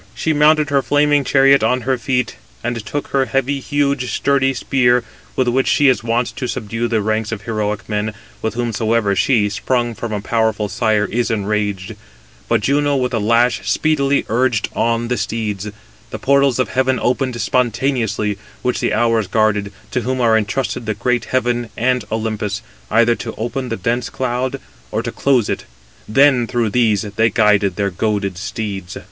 She mounted her flaming chariot on her feet, and took her heavy, huge, sturdy spear, with which she is wont to subdue the ranks of heroic men, with whomsoever she, sprung from a powerful sire, is enraged. But Juno with the lash speedily urged on the steeds. The portals of heaven opened spontaneously, which the Hours 284 guarded, to whom are intrusted the great heaven and Olympus, either to open the dense cloud, or to close it. Then through these they guided their goaded steeds.